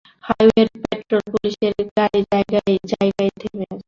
হাইওয়ের পেট্রল পুলিশের গাড়ি জায়গায় জায়গায় থেমে আছে।